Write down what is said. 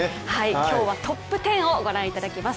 今日はトップ１０を御覧いただきます。